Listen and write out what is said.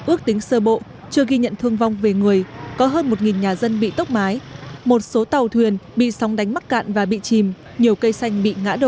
ước tính sơ bộ chưa ghi nhận thương vong về người có hơn một nhà dân bị tốc mái một số tàu thuyền bị sóng đánh mắc cạn và bị chìm nhiều cây xanh bị ngã đổ